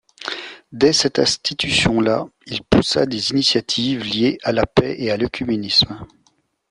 Dès cette institution-là il poussa des initiatives liées à la paix et à l'œcuménisme.